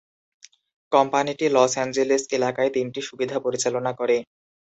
কোম্পানিটি Los Angeles এলাকায় তিনটি সুবিধা পরিচালনা করে।